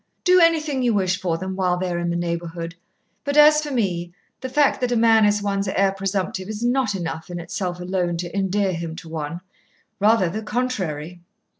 Do anything you wish for them while they are in the neighbourhood. But as for me, the fact that a man is one's heir presumptive is not enough in itself alone to endear him to one, rather the contrary."